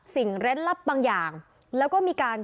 สิ่งเร็ดลับบางอย่างแล้วก็มีการ